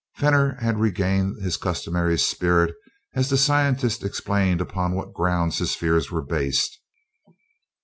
Fenor had regained his customary spirit as the scientist explained upon what grounds his fears were based.